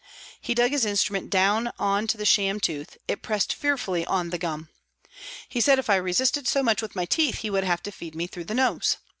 He dug his instrument down on to the sham tooth, it pressed fearfully on the gum. He said if I resisted so much with my teeth, he would have to feed me through the nose.